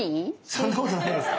そんなことないですか？